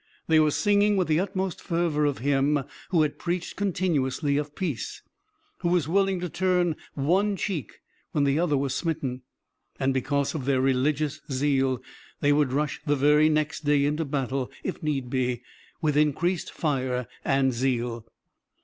They were singing with the utmost fervor of Him who had preached continuously of peace, who was willing to turn one cheek when the other was smitten, and because of their religious zeal they would rush the very next day into battle, if need be, with increased fire and zeal.